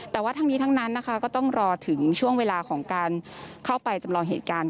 แต่ว่าทั้งนี้ทั้งนั้นนะคะก็ต้องรอถึงช่วงเวลาของการเข้าไปจำลองเหตุการณ์